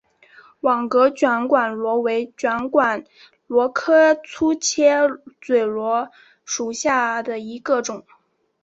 网格卷管螺为卷管螺科粗切嘴螺属下的一个种。